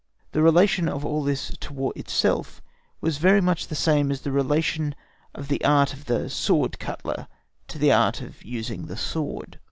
The relation of all this to War itself was very much the same as the relation of the art of the sword cutler to the art of using the sword.